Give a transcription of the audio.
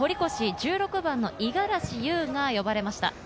１６番・五十嵐悠が呼ばれました。